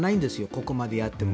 ここまでやっても。